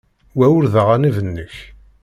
Wa ur d aɣanib-nnek.